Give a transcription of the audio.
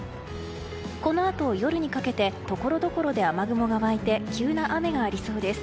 このあと夜にかけてところどころで雨雲が湧いて急な雨がありそうです。